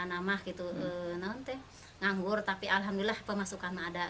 nanti menganggur tapi alhamdulillah pemasukan ada